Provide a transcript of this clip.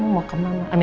ini masih pagi sekali